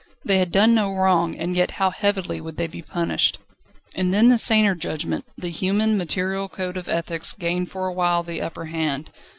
They had done no wrong, and yet how heavily would they be punished! And then the saner judgment, the human, material code of ethics gained for a while the upper hand.